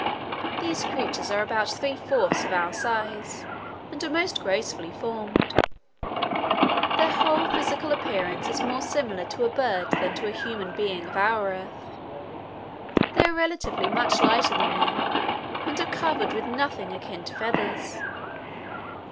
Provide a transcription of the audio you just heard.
These creatures are about three fourths of our size, and are most gracefully formed. Their whole physical appearance is more similar to a bird than to a human being of our Earth. They are relatively much lighter than we, and are covered with nothing akin to feathers.